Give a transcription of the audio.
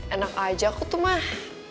enak aja aku tuh mah